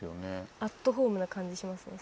アットホームな感じします。